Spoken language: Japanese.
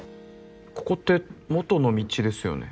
ここって元の道ですよね。